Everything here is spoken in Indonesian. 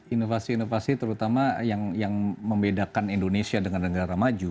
inovasi inovasi terutama yang membedakan indonesia dengan negara maju